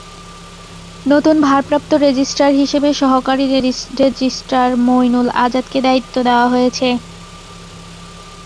নতুন ভারপ্রাপ্ত রেজিস্ট্রার হিসেবে সহকারী রেজিস্ট্রার মইনুল আজাদকে দায়িত্ব দেওয়া হয়েছে।